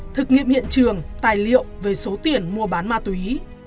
thực nghiệm hiện trường tài liệu về số tiền mua bán ma túy